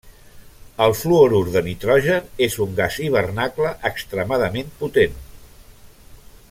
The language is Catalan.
El fluorur de nitrogen és un gas hivernacle extremadament potent.